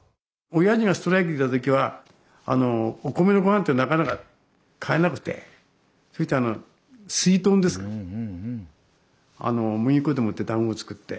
おやじがストライキだった時はお米のごはんってなかなか買えなくてそしてすいとんですか麦粉でもってだんご作って。